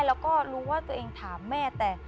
แล้วก็รู้ว่าตัวเองถามแม่แต่